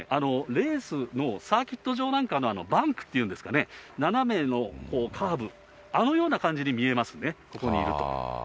レースのサーキット場なんかのバンクっていうんですかね、斜めのカーブ、あのような感じに見えますね、ここにいると。